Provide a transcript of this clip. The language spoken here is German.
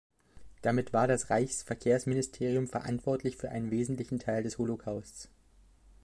Damit war das Reichsverkehrsministerium verantwortlich für einen wesentlichen Teil des Holocaust.